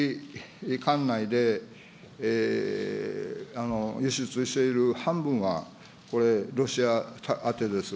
管内で輸出している半分は、ロシア宛てです。